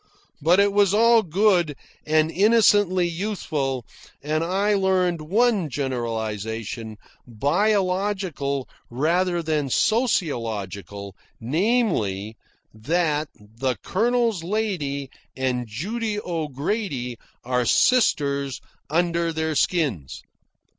But it was all good and innocently youthful, and I learned one generalisation, biological rather than sociological, namely, that the "Colonel's lady and Judy O'Grady are sisters under their skins."